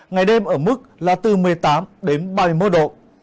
ngày đêm ở mức là từ một mươi tám đến ba mươi một độ